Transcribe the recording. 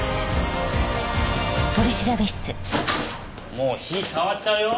もう日変わっちゃうよ。